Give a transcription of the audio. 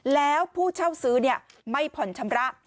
แล้วผู้เช่าซื้อไม่ผ่อนชำระ